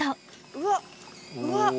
うわっうわっ。